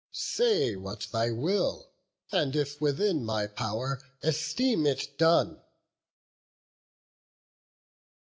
say what thy will, And, if within my pow'r, esteem it done."